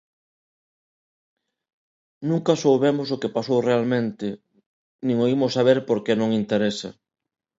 Nunca soubemos o que pasou realmente, nin o imos saber, porque non interesa.